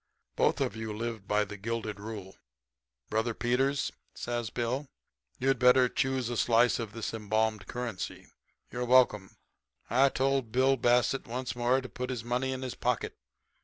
Both of you live by the gilded rule. Brother Peters,' says Bill, 'you'd better choose a slice of this embalmed currency. You're welcome.' "I told Bill Bassett once more to put his money in his pocket.